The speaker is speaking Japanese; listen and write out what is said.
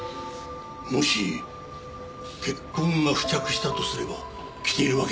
もし血痕が付着したとすれば着ているわけにはいかないな。